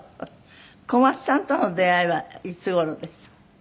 小松さんとの出会いはいつ頃です？